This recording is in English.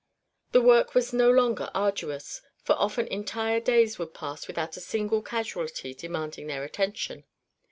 The work was no longer arduous, for often entire days would pass without a single casualty demanding their attention.